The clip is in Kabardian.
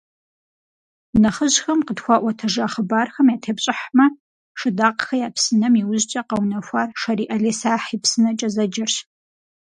Нэхъыжьхэм къытхуаӏуэтэжа хъыбархэм ятепщӏыхьмэ, «Шыдакъхэ я псынэм» иужькӏэ къэунэхуар «Шэрий ӏэлисахь и псынэкӏэ» зэджэрщ.